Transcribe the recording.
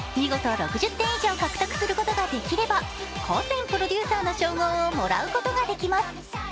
６０点以上獲得することができれば、歌仙プロデューサーの称号をもらうことができます。